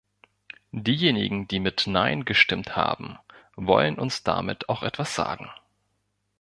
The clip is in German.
Diejenigen, die mit "Nein" gestimmt haben, wollen uns damit auch etwas sagen.